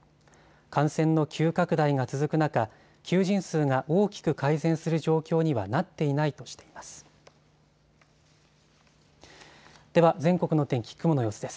感染の急拡大が続く中、求人数が大きく改善する状況にはなっていないとしています。